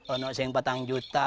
aku ingin sering juta